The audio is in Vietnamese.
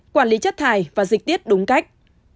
quản lý chất thải và dịch tiết đúng cách